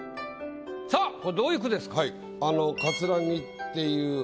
さぁこれどういう句ですか？